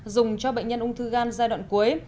dùng cho bệnh nhân ung thư gan giai đoạn cuối